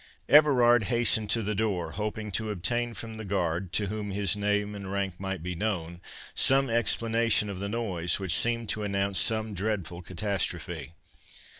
Everard hastened to the door, hoping to obtain from the guard, to whom his name and rank might be known, some explanation of the noise, which seemed to announce some dreadful catastrophe.